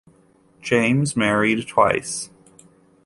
James married twice.